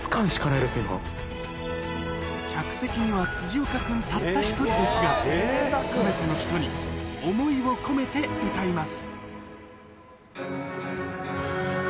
客席には岡君たった１人ですが全ての人に思いを込めて歌います